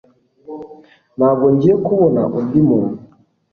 Ntabwo ngiye kubona undi muntu